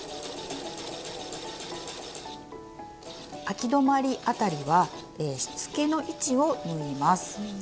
あき止まり辺りはしつけの位置を縫います。